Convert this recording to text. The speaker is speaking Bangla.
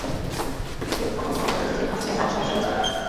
কেউ কি কখনও তোমাকে বলেছে যে তোমার সিরিয়াস রাগের সমস্যা রয়েছে?